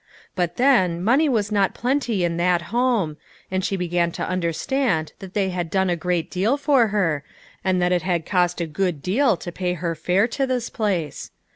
But then, money was not plenty in that home, and she began to un derstand that they had done a great deal for her, and that it had cost a good deal to pay her fare to this place.